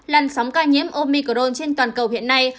làn sóng ca nhiễm omicron trên toàn cầu hiện nay